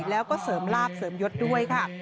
แล้วก็เสริมลาบเสริมยศด้วยค่ะ